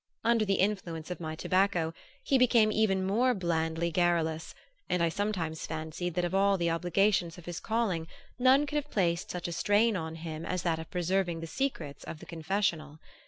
Under the influence of my tobacco he became even more blandly garrulous, and I sometimes fancied that of all the obligations of his calling none could have placed such a strain on him as that of preserving the secrets of the confessional.